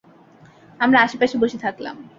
আমরা আশেপাশে বসে থাকলাম।